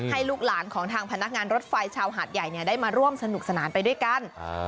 ลูกหลานของทางพนักงานรถไฟชาวหาดใหญ่ได้มาร่วมสนุกสนานไปด้วยกัน